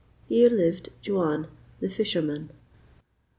Here lived Juan, the fisherman.